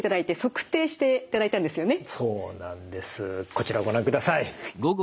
こちらをご覧ください。